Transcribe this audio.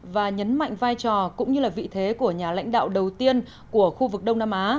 và nhấn mạnh vai trò cũng như vị thế của nhà lãnh đạo đầu tiên của khu vực đông nam á